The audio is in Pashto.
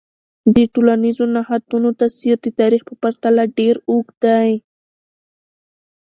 د ټولنیزو نهادونو تاثیر د تاریخ په پرتله ډیر اوږد دی.